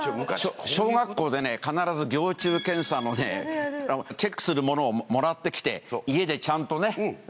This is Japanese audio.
小学校で必ずぎょう虫検査のねチェックするものをもらってきて家でちゃんとね。